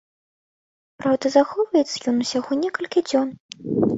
Праўда, захоўваецца ён ўсяго некалькі дзён.